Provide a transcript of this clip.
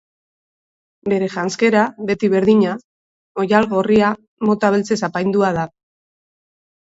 Bere janzkera, beti berdina, oihal gorria mota beltzez apaindua da.